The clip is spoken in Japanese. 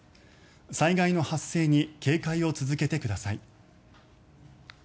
災害の発生に警戒を続けてください。